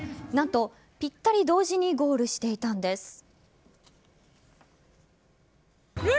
何と、ぴったり同時にゴールしていたんです。